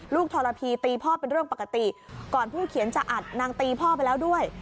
ทรพีตีพ่อเป็นเรื่องปกติก่อนผู้เขียนจะอัดนางตีพ่อไปแล้วด้วย